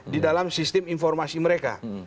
di dalam sistem informasi mereka